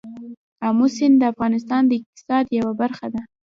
آمو سیند د افغانستان د اقتصاد یوه برخه ده.